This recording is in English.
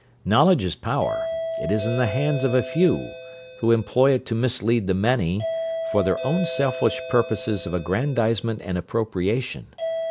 Knowledge is power; it is in the hands of a few, who employ it to mislead the many, for their own selfish purposes of aggrandisement and appropriation.